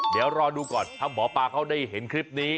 เดี๋ยวรอดูก่อนถ้าหมอปลาเขาได้เห็นคลิปนี้